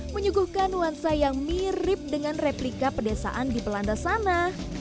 menyuguhkan nuansa yang mirip dengan replika pedesaan di belanda sana